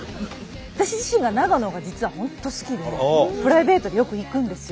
私自身が長野が実は本当好きでプライベートでよく行くんですよ。